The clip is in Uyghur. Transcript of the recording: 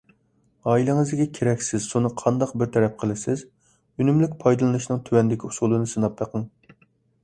ئائىلىڭىزدىكى كېرەكسىز سۇنى قانداق بىر تەرەپ قىلىسىز؟ ئۈنۈملۈك پايدىلىنىشنىڭ تۆۋەندىكى ئۇسۇلىنى سىناپ بېقىڭ.